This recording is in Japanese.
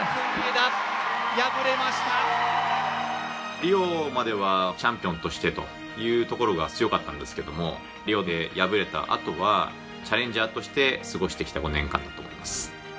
リオまではチャンピオンとしてというところが強かったんですけどもリオで敗れたあとはチャレンジャーとして過ごしてきた５年間だと思います。